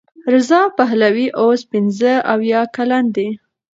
رضا پهلوي اوس پنځه اویا کلن دی.